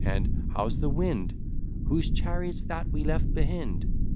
And, "How's the wind?" "Whose chariot's that we left behind?"